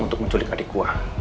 untuk menculik adik gue